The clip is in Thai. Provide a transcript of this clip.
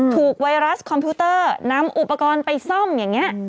ไวรัสคอมพิวเตอร์นำอุปกรณ์ไปซ่อมอย่างนี้